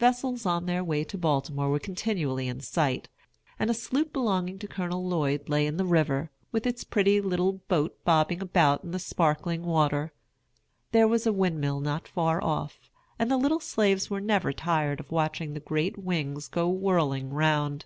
Vessels on their way to Baltimore were continually in sight, and a sloop belonging to Colonel Lloyd lay in the river, with its pretty little boat bobbing about in the sparkling water. There was a windmill not far off, and the little slaves were never tired of watching the great wings go whirling round.